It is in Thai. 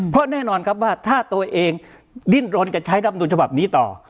เพราะแน่นอนครับว่าถ้าตัวเองดิ้นรนจะใช้รับนูลฉบับนี้ต่อ